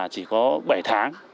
đó bảy tháng